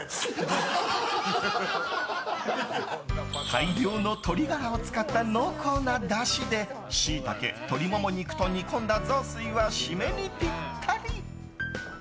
大量の鶏ガラを使った濃厚なだしでシイタケ、鶏モモ肉と煮込んだ雑炊は締めにぴったり。